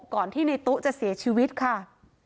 ก่อนที่ในตู้จะเสียชีวิตค่ะ